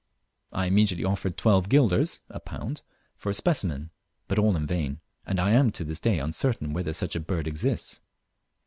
I immediately offered twelve guilders (a pound) for a specimen; but all in vain, and I am to this day uncertain whether such a bird exists.